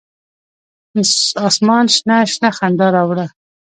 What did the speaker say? اسمان شنه، شنه خندا راوړه